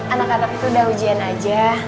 anak anak itu udah ujian aja